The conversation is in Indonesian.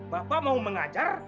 bapak mau mengajar